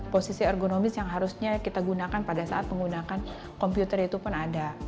posisi ergonomis yang harusnya kita gunakan pada saat menggunakan komputer itu pun ada